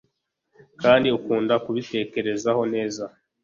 kandi akunda kubitekereza neza